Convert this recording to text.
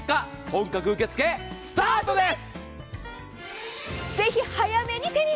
本格受け付けスタートです！